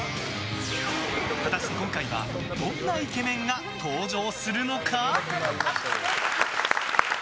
果たして、今回はどんなイケメンが登場するのか？